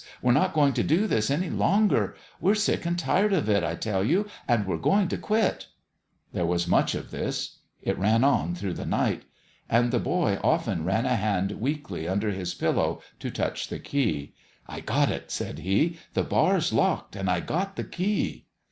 We're not going to do this any longer. We're sick and tired of it, I tell you, and we're going to quit." 326 . THE END OF THE GAME There was much of this. It ran on through the night. And the boy often ran a hand weakly under his pillow to touch the key. " I got it," said he. "The bar's locked and I got the key."